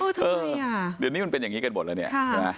เออทำไมอ่ะเดี๋ยวนี้มันเป็นอย่างนี้กันหมดแล้วเนี่ย